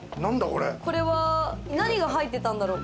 これは何が入ってたんだろう。